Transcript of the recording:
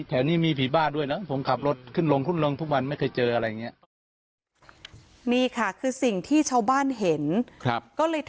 จะพูดอะไรเขาไม่ได้ยินครับ